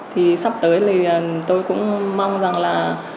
thì sắp tới thì tôi cũng mong rằng là